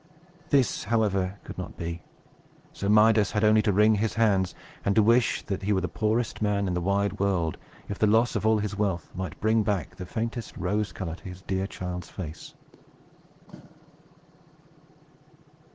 This, however, could not be. So Midas had only to wring his hands, and to wish that he were the poorest man in the wide world, if the loss of all his wealth might bring back the faintest rose color to his dear child's face.